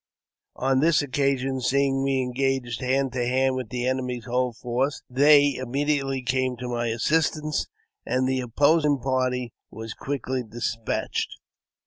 On this occasion, seeing me engaged hand to hand with the enemy's whole force, they im mediately came to my assistance, and the opposing party were quickly despatched.